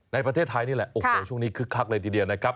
ในประเทศไทยนี่แหละโอ้โหช่วงนี้คึกคักเลยทีเดียวนะครับ